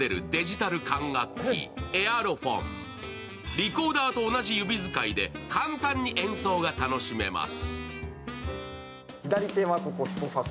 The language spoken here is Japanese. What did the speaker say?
リコーダーと同じ指使いで簡単に演奏が楽しめます。